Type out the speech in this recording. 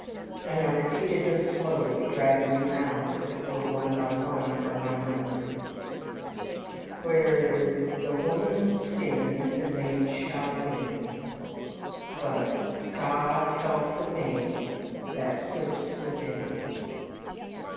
And I repeated them slowly, dragging them out as it were one by one from my memory: "Where the woman sinned the maid shall win; But God help the maid that sleeps within."